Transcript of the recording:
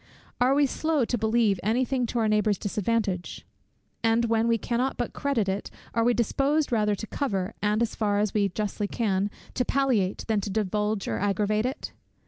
Are we slow to believe any thing to our neighbour's disadvantage? and when we cannot but credit it, are we disposed rather to cover, and as far as we justly can, to palliate, than to divulge or aggravate it?